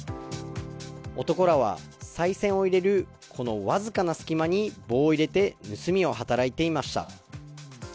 男らは、さい銭を入れるこのわずかな隙間に棒を入れて盗みを働いていました。